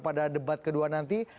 atau ada debat kedua nanti